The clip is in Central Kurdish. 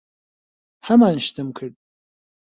ھەمان شتم کرد.